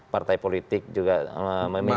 partai politik juga memimpin dpd